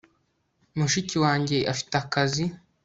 mushiki wanjye afite akazi